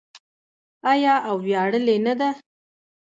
آیا او ویاړلې نه ده؟